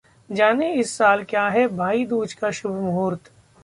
जानें, इस साल क्या है भाई दूज का शुभ मुहूर्त